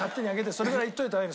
それぐらい言っといた方がいいの。